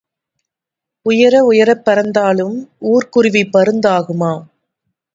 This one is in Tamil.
உயர உயரப் பறந்தாலும் ஊர்க் குருவி பருந்து ஆகுமா?